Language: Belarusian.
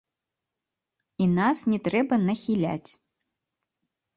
І нас не трэба нахіляць.